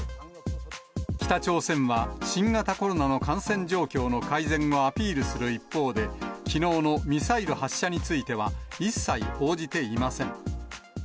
北朝鮮は、新型コロナの感染状況の改善をアピールする一方で、きのうのミサイル発射については、一切報じていません。